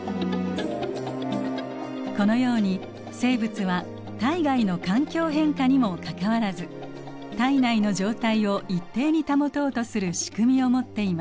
このように生物は体外の環境変化にもかかわらず体内の状態を一定に保とうとする仕組みを持っています。